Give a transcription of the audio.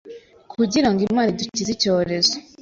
kugira ngo Imana idukize icyorezo